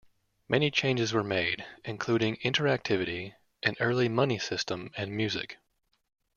Many changes were made, including interactivity, an early money system and music.